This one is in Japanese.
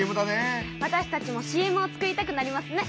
わたしたちもＣＭを作りたくなりますね。